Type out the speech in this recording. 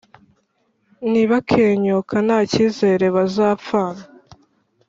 Nibakenyuka nta cyizere bazapfana,